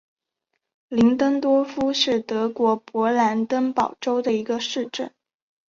林登多夫是德国勃兰登堡州的一个市镇。